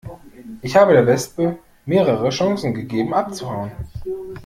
Ich habe der Wespe mehrere Chancen gegeben abzuhauen.